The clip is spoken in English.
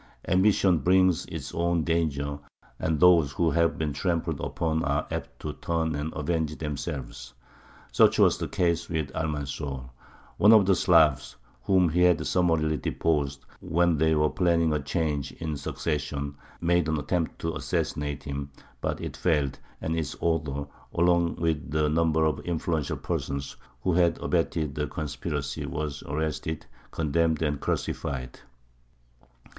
Ambition brings its own dangers, and those who have been trampled upon are apt to turn and avenge themselves. Such was the case with Almanzor. One of the "Slavs," whom he had summarily deposed when they were planning a change in the succession, made an attempt to assassinate him; but it failed, and its author, along with a number of influential persons who had abetted the conspiracy, was arrested, condemned, and crucified.